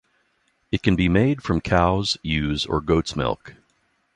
It can be made from cow's, ewe's, or goat's milk.